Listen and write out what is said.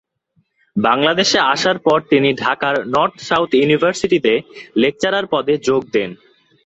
বাংলাদেশে আসার পর তিনি ঢাকার নর্থ সাউথ ইউনিভার্সিটিতে লেকচারার পদে যোগ দেন।